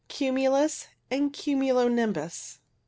Cumulus and cumulo nimbus.